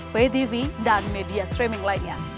btv dan media streaming lainnya